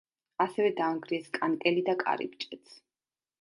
ასევე დაანგრიეს კანკელი და კარიბჭეც.